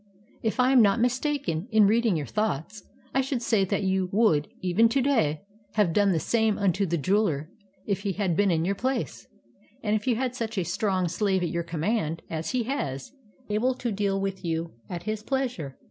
If I am not mis taken in reading your thoughts, I should say that you would, even to day, have done the same unto the jeweler if he had been in your place, and if you had such a strong slave at your command as he has, able to deal with you at his pleasure."